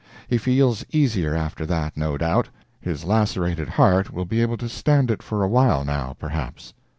He feels easier after that, no doubt. His lacerated heart will be able to stand it for awhile, now, perhaps.